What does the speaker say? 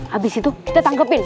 habis itu kita tangkepin